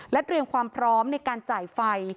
เตรียมความพร้อมในการจ่ายไฟ